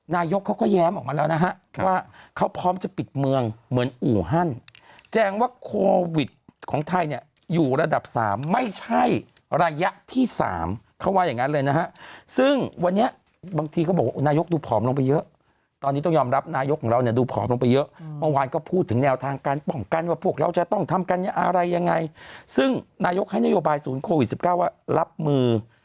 นายกเขาก็แย้มออกมาแล้วนะฮะว่าเขาพร้อมจะปิดเมืองเหมือนอู่ฮั่นแจ้งว่าโควิดของไทยเนี่ยอยู่ระดับสามไม่ใช่ระยะที่สามเขาว่าอย่างนั้นเลยนะฮะซึ่งวันนี้บางทีเขาบอกว่านายกดูผอมลงไปเยอะตอนนี้ต้องยอมรับนายกของเราเนี่ยดูผอมลงไปเยอะเมื่อวานก็พูดถึงแนวทางการป้องกันว่าพวกเราจะต้องทำกัญญาอะไรยังไงซึ่งนายกให้นโยบายศูนย์โควิด๑๙ว่ารับมือ